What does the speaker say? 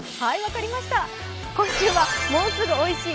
今週は「もうすぐ美味しい！